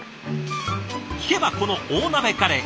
聞けばこの大鍋カレー